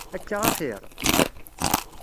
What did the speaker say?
Akka axir?